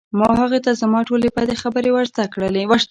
ما هغه ته زما ټولې بدې خبرې ور زده کړې